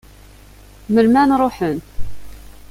Melmi ara n-ruḥen?